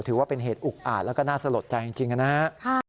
ถือว่าเป็นเหตุอุกอาจแล้วก็น่าสลดใจจริงนะครับ